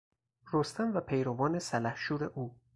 رستم و پیروان سلحشور او